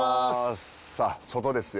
さあ外ですよ。